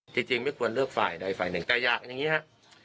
จริงไม่ควรเลือกฝ่ายใดฝ่ายหนึ่งแต่อยากอย่างนี้ครับ